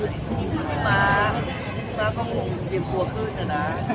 ทำไมไม่ได้ถ่ายมา